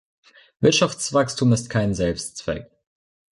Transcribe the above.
Wirtschaftswachstum ist kein Selbstzweck.